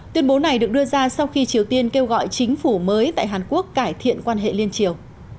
tuyên bố này được đưa ra sau khi triều tiên kêu gọi chính phủ mới tại hàn quốc cải thiện quan hệ liên triều